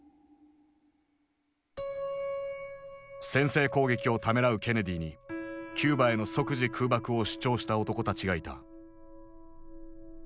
先制攻撃をためらうケネディにキューバへの即時空爆を主張した男たちがいた。